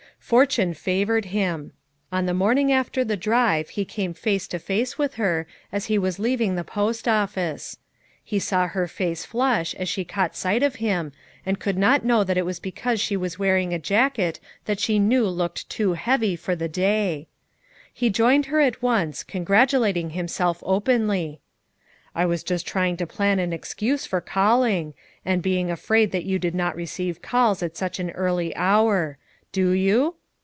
Fortune favored him; on the morning after the drive he came face to face with her as he was leaving the post office. He saw her face flush 169 170 FOUR MOTHERS AT CHAUTAUQUA as she caught sight of him and could not know that it was because she was wearing a jacket that she knew looked too heavy for the day. He joined her at once, congratulating himself openly. "I was just trying to plan an excuse for call ing, and being afraid that you did not receive calls at such an early hour. Do you?"